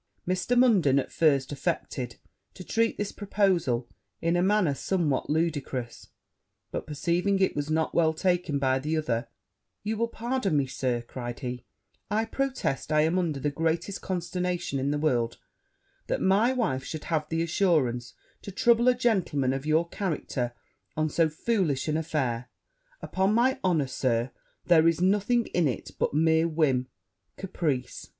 Mr. Munden at first affected to treat this proposal in a manner somewhat ludicrous; but perceiving it was not well taken by the other, 'You will pardon me, Sir,' cried he; 'I protest I am under the greatest consternation in the world, that my wife should have the assurance to trouble a gentleman of your character on so foolish an affair: upon my honour, Sir, there is nothing in it but mere whim caprice!'